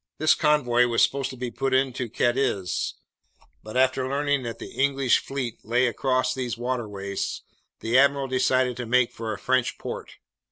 "This convoy was supposed to put into Cadiz, but after learning that the English fleet lay across those waterways, the admiral decided to make for a French port.